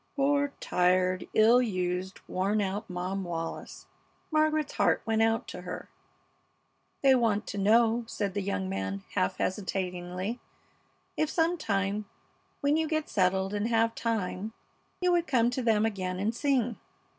Poor, tired, ill used, worn out Mom Wallis! Margaret's heart went out to her. "They want to know," said the young man, half hesitatingly, "if some time, when you get settled and have time, you would come to them again and sing?